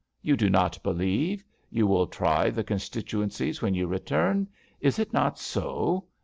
You do not believe? You will try the con stituencies when you return; is it not so?